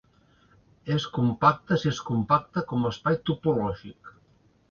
És compacte si és compacte com a espai topològic.